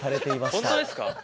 本当ですか？